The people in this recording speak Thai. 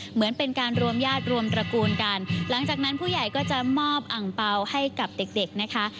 เหมือนเป็นการรวมญาติรวมตระกูลกันหลังจากนั้นผู้ใหญ่ก็จะมอบอังเปล่าให้กับเด็กเด็กนะคะ